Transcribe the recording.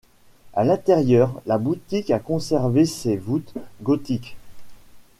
À l'intérieur, la boutique a conservé ses voûtes gothiques.